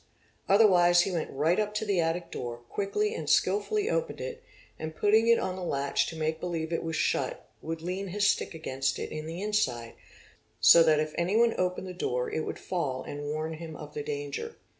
Otherwise he went right up to the attic door, quickly and skilfully opened it, and putting it on the latch to make believe it was shut would lean his stick against it in the inside, so that if anyone opened the door it would fall and warn him of the danger.